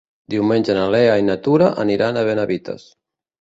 Diumenge na Lea i na Tura aniran a Benavites.